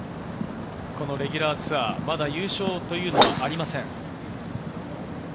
そしてリ・ハナも、このレギュラーツアー、まだ優勝というのはありません。